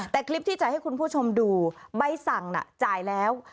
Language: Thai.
แต่คลิปที่จ่ายให้คุณผู้ชมดูใบสั่งน่ะจ่ายแล้ว